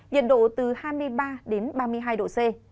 nhiệt độ từ hai mươi ba đến ba mươi hai độ c